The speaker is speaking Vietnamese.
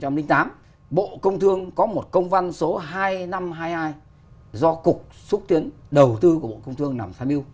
năm hai nghìn tám bộ công thương có một công văn số hai nghìn năm trăm hai mươi hai do cục xúc tiến đầu tư của bộ công thương làm tham mưu